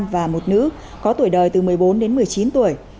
và một nữ có tuổi đời từ một mươi bốn đến một mươi chín tuổi